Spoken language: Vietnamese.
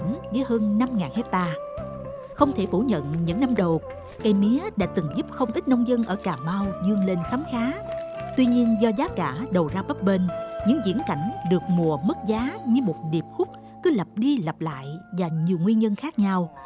mùa mất giá như một điệp hút cứ lập đi lập lại và nhiều nguyên nhân khác nhau